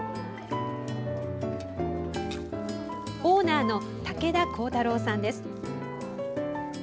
オーナーの武田浩太郎さんです。